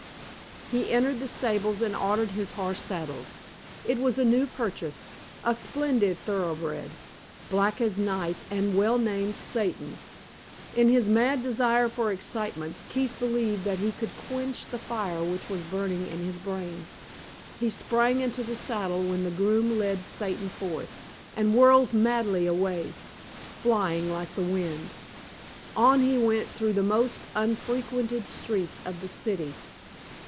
He entered the stables and ordered his horse saddled. It was a new purchase, a splendid thoroughbred, black as night, and well named Satan. In his mad desire for excitement, Keith believed that he could quench the fire which was burning in his brain. He sprang into the saddle when the groom led Satan forth, and whirled madly away, flying like the wind. On he went through the most unfrequented streets of the city.